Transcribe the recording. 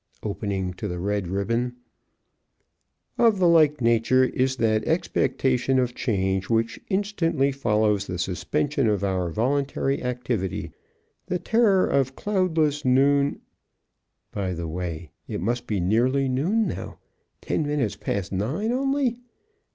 Opening, to the red ribbon: "Of the like nature is that expectation of change which instantly follows the suspension of our voluntary activity. The terror of cloudless noon " By the way, it must be nearly noon now! Ten minutes past nine, only!